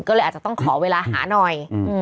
ก็เลยอาจจะต้องขอเวลาหาหน่อย